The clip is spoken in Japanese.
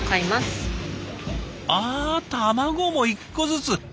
あ卵も１個ずつ？